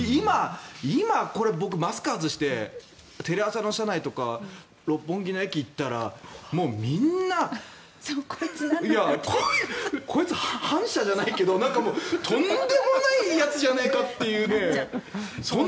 今、これ、僕マスクを外してテレ朝の社内とか六本木の駅に行ったらもう、みんなこいつ、反社じゃないけどとんでもないやつじゃないかっていう。